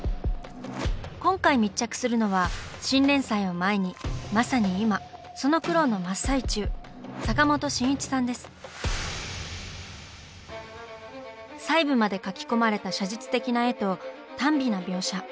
今回密着するのは新連載を前にまさに今その苦労の真っ最中細部まで描き込まれた写実的な絵と耽美な描写。